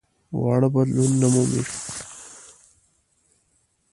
واړه بدلونونه مومي.